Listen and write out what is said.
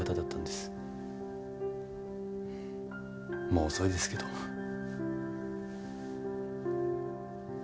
もう遅いですけどふっ。